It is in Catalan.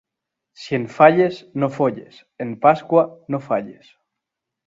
Si en falles no folles, en pasqua no falles.